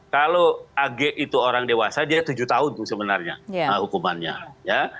kalau ag itu orang dewasa dia tujuh tahun sebenarnya hukumannya ya